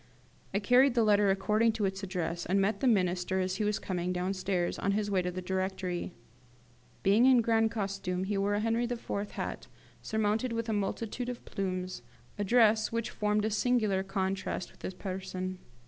I carried the letter according to its address, and met the Minister as he was coming downstairs, on his way to the Directory. Being in grand costume, he wore a Henri IV. hat, surmounted with a multitude of plumes, a dress which formed a singular contrast with his person.